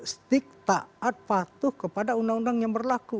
stick taat patuh kepada undang undang yang berlaku